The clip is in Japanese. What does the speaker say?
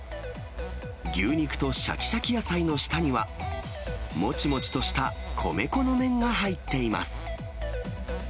牛肉としゃきしゃき野菜の下には、もちもちとした米粉の麺が入っています。